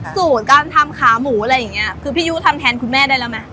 สูตรการทำขาหมูอะไรอย่างเงี้ยคือพี่ยุทำแทนคุณแม่ได้แล้วไหม